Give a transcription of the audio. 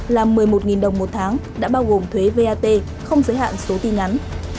là một mươi một đồng một tháng đã bao gồm thuế vat không giới hạn số tiền ngắn